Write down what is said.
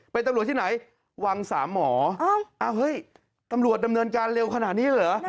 เป็นตำรวจที่ไหนวังสามหมออ้าวเฮ้ยตำรวจดำเนินการเร็วขนาดนี้เลยเหรอ